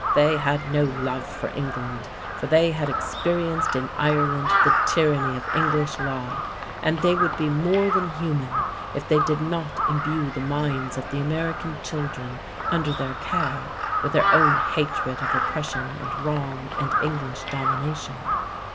They had no love for England, for they had experienced in Ireland the tyranny of English law, and they would be more than human if they did not imbue the minds of the American children under their care with their own hatred of oppression and wrong and English domination.